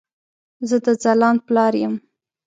زه د ځلاند پلار يم